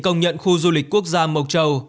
công nhận khu du lịch quốc gia mộc châu